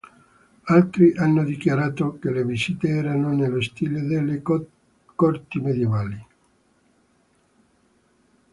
Altri hanno dichiarato che le visite erano nello stile delle corti medievali.